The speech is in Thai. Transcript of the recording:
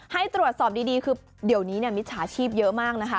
ให้ตรวจสอบดีคือเดี๋ยวนี้มิจฉาชีพเยอะมากนะคะ